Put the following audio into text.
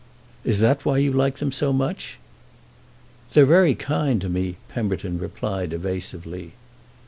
"Is that why you like them so much?" "They're very kind to me," Pemberton replied evasively.